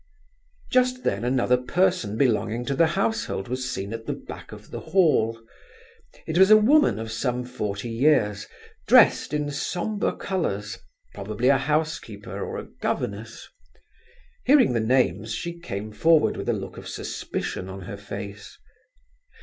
Just then another person belonging to the household was seen at the back of the hall. It was a woman of some forty years, dressed in sombre colours, probably a housekeeper or a governess. Hearing the names she came forward with a look of suspicion on her face.